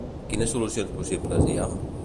Quines solucions possibles hi ha?